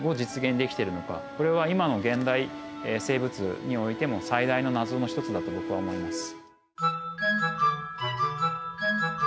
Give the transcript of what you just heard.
これは今の現代生物においても最大の謎の一つだと僕は思います。